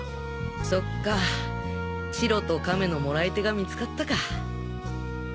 そっかチロとカメのもらい手が見つかったか。